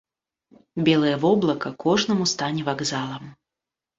Белае воблака кожнаму стане вакзалам.